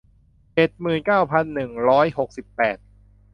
เจ็ดหมื่นเก้าพันหนึ่งร้อยหกสิบแปด